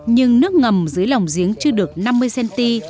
nhưng nước ngầm dưới lòng giếng chưa được năm mươi cm